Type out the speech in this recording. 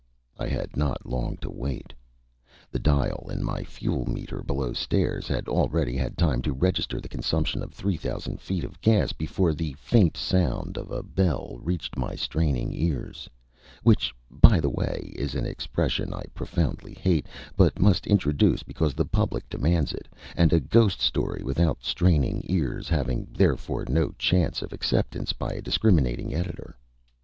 I had not long to wait. The dial in my fuel meter below stairs had hardly had time to register the consumption of three thousand feet of gas before the faint sound of a bell reached my straining ears which, by the way, is an expression I profoundly hate, but must introduce because the public demands it, and a ghost story without straining ears having therefore no chance of acceptance by a discriminating editor.